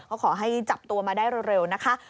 ก็ขอให้จับตัวมาได้เร็วนะคะ